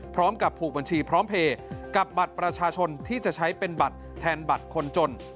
พร้อมกับผูกบัญชีพร้อมเพลย์กับบัตรประชาชนที่จะใช้เป็นบัตรแทนบัตรคนจน